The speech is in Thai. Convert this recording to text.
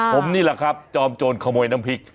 ผมนี่แหละครับจอมโจรขโมยน้ำพริก